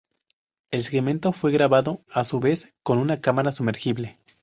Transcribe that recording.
El segmento fue grabado, a su vez, con una cámara sumergible.